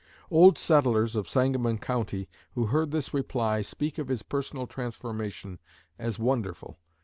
Old settlers of Sangamon County who heard this reply speak of his personal transformation as wonderful.